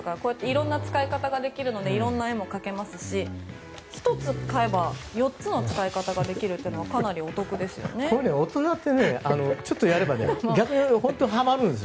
色々な使い方ができるので色んな絵が描けますし１つ買えば４つの使い方ができるのは大人って、ちょっとやれば逆に本当にはまるんです。